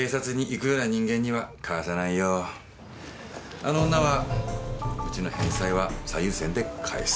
あの女はうちの返済は最優先で返す。